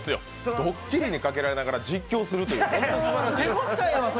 ドッキリにかけられながら実況するっていう。